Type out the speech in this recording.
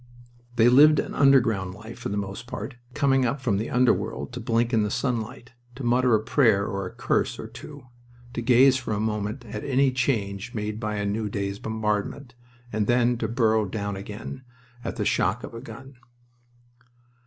They lived an underground life, for the most part, coming up from the underworld to blink in the sunlight, to mutter a prayer or a curse or two, to gaze for a moment at any change made by a new day's bombardment, and then to burrow down again at the shock of a gun.